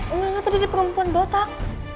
enggak enggak tadi ada perempuan botak